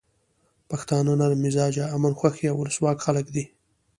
پښتانه نرم مزاجه، امن خوښي او ولسواک خلک دي.